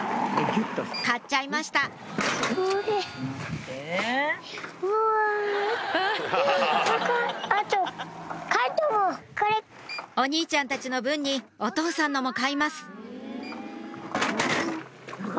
買っちゃいましたお兄ちゃんたちの分にお父さんのも買います